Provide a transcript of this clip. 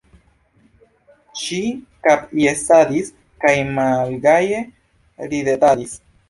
Ŝi kapjesadis kaj malgaje ridetadis.